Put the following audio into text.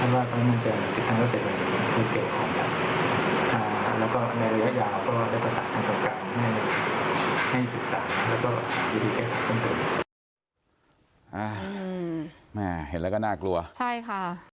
กระพราบให้มันเรียนเดินน้ำอาจจะติดตั้งเตอร์ท่องดำ